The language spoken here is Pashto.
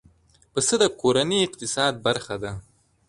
پسه د کورنۍ اقتصاد برخه ده.